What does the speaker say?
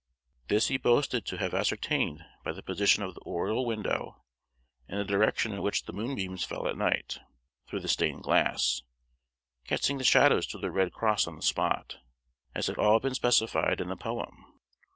This he boasted to have ascertained by the position of the oriel window, and the direction in which the moonbeams fell at night, through the stained glass, casting the shadow to the red cross on the spot; as had all been specified in the poem.